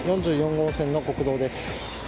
号線の国道です。